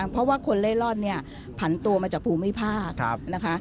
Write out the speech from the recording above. เพราะว่าคนเล่อร่อนผันตัวมาจากภูมิภาค